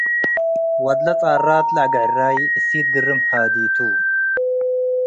ወድለ ጻራት ለአግዕራይ እሲት ግርም ሃዲ ቱ